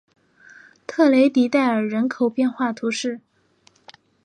特雷迪代尔人口变化图示